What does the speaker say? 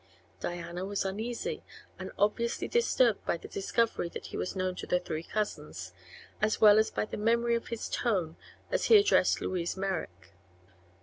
Diana was uneasy and obviously disturbed by the discovery that he was known to the three cousins, as well as by the memory of his tone as he addressed Louise Merrick.